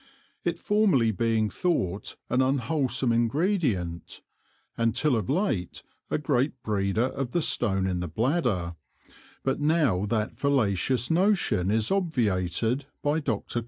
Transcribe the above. It formerly being thought an unwholsome Ingredient, and till of late a great breeder of the Stone in the Bladder, but now that falacious Notion is obviated by Dr_.